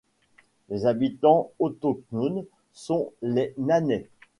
Les habitants autochtones sont les Nanai.